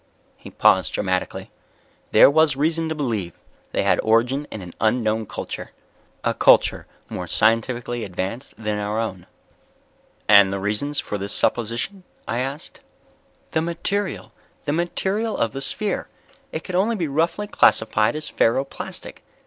He paused dramatically. "There was reason to believe they had origin in an unknown culture. A culture more scientifically advanced than our own." "And the reasons for this supposition?" I asked. "The material ... the material of the sphere. It could only be roughly classified as ferro plastic.